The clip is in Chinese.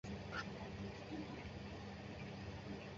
一般来说信息的单位是页。